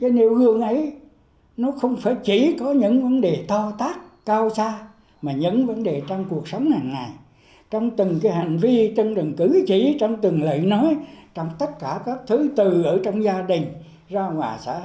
cái nêu gương ấy nó không phải chỉ có những vấn đề thao tác cao xa mà những vấn đề trong cuộc sống hàng ngày trong từng cái hành vi trong rừng cử chỉ trong từng lời nói trong tất cả các thứ từ ở trong gia đình ra hòa xã hội